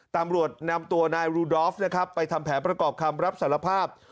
ตำรวจนำตัวนายรูดอฟนะครับไปทำแผนประกอบคำรับสารภาพ